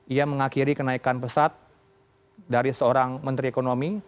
ia mengakhiri kenaikan pesat dari seorang menteri ekonomi